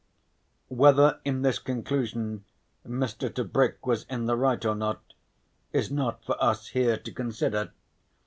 Whether in this conclusion Mr. Tebrick was in the right or not, is not for us here to consider.